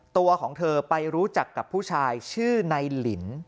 ตัวของเธอไปรู้จักกับผู้ชายชื่อในหลิน